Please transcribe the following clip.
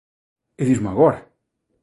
E dismo agora?